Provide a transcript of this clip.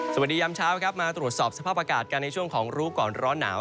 พยายามเช้าครับมาตรวจสอบสภาพอากาศกันในช่วงของรู้ก่อนร้อนหนาว